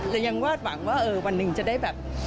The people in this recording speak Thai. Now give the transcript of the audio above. ยังวาดหวังว่าวันหนึ่งจะได้แบบ